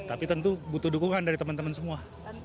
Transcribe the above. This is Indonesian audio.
tapi tentu butuh dukungan dari teman teman semua